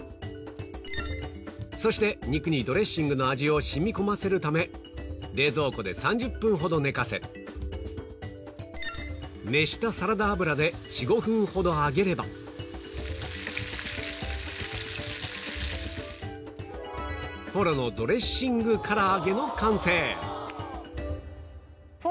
そして肉にドレッシングの味を染み込ませるため冷蔵庫で３０分ほど寝かせ熱したサラダ油で４５分ほど揚げればの完成へえーすごい！